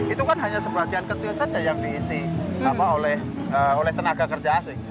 itu kan hanya sebagian kecil saja yang diisi oleh tenaga kerja asing